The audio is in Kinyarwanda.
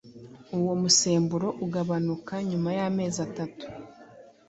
uwo musemburo ugabanuka nyuma y’amezi atatu